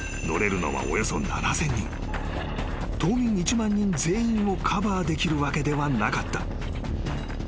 ［島民１万人全員をカバーできるわけではなかった］